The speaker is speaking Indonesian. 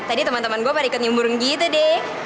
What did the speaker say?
tadi temen temen gue pari ket nyumbur gitu deh